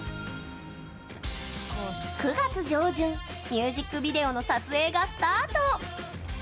ミュージックビデオの撮影がスタート。